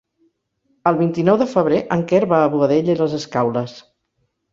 El vint-i-nou de febrer en Quer va a Boadella i les Escaules.